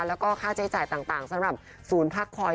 แล้วก็ค่าใช้จ่ายต่างสำหรับศูนย์พักคอย